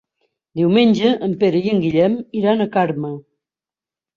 Diumenge en Pere i en Guillem iran a Carme.